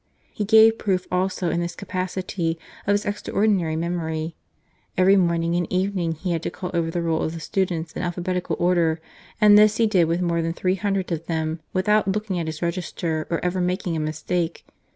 He gave proof also in this capacity of his extraordinary memory. Every morning and evening he had to •call over the roll of the students in alphabetical order, and this he did with more than three hundred of them without looking at his register or ever making a mistake.